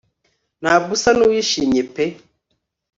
Ntabwo usa nuwishimye pe